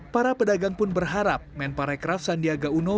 para pedagang pun berharap men pariwisata sandiaga uno